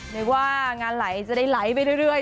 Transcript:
นึกว่างานไหลจะได้ไหลไปเรื่อย